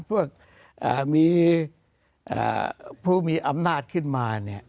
เพื่อพวกมีอำนาจขึ้นมา